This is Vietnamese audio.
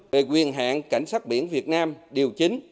về quyền hạn cảnh sát biển việt nam điều chính